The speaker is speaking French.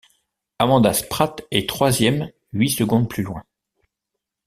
Amanda Spratt est troisième huit secondes plus loin.